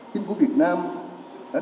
chính phủ việt nam